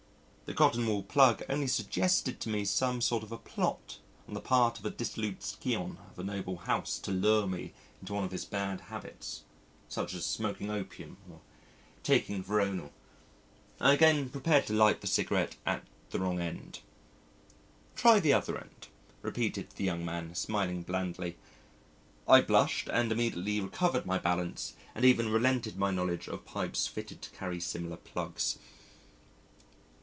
The cotton wool plug only suggested to me some sort of a plot on the part of a dissolute scion of a noble house to lure me into one of his bad habits, such as smoking opium or taking veronal. I again prepared to light the cigarette at the wrong end. "Try the other end," repeated the young man, smiling blandly. I blushed, and immediately recovered my balance, and even related my knowledge of pipes fitted to carry similar plugs....